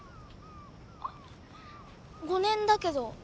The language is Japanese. あっ５年だけど。